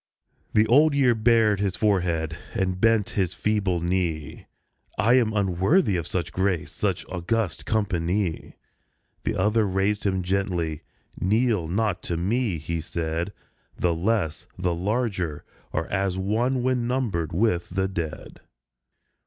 The Old Year bared his forehead, and bent his feeble knee. " I am unworthy of such grace, such august company." The other raised him gently. "Kneel not to me," he said; "The less, the larger, are as one when numbered with the dead.